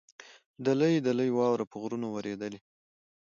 دلۍ دلۍ واوره په غرونو ورېدلې.